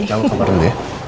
jangan kabar dulu ya